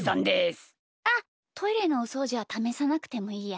あっトイレのおそうじはためさなくてもいいや。